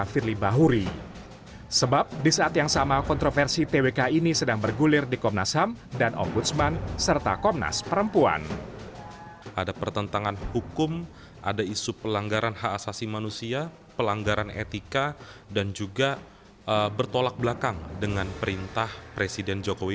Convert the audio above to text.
berikutnya keputusan mahkamah konstitusi yang tidak diikuti pimpinan terkait alih status jabatan pegawai ini di dalam undang undang kpk